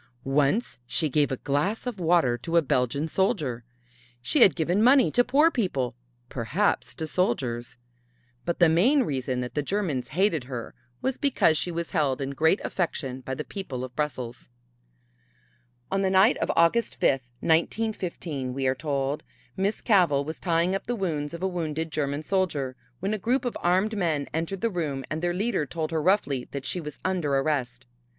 Once she gave a glass of water to a Belgian soldier. She had given money to poor people, perhaps to soldiers. But the main reason that the Germans hated her was because she was held in great affection by the people of Brussels. On the night of August fifth, 1915, we are told, Miss Cavell was tying up the wounds of a wounded German soldier, when a group of armed men entered the room and their leader told her roughly that she was under arrest.